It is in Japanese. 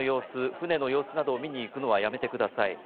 船の様子などを見に行くのはやめてください。